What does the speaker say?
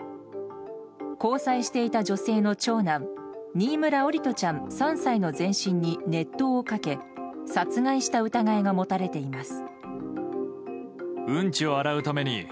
交際していた女性の長男新村桜利斗ちゃん、３歳の全身に熱湯をかけ殺害した疑いが持たれています。